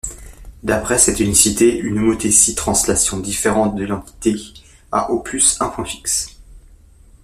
D'après cette unicité, une homothétie-translation différente de l'identité a au plus un point fixe.